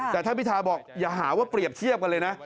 แต่ท่านพิทาบอกอย่าหาว่าเปรียบเทียบกันเลยนะ